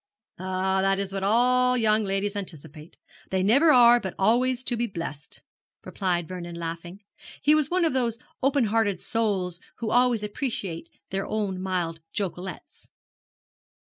'Ah, that is what all young ladies anticipate. They never are but always to be blest,' replied Vernon, laughing. He was one of those open hearted souls who always appreciate their own mild jokelets.